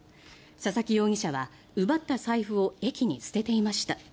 佐々木容疑者は、奪った財布を駅に捨てていました。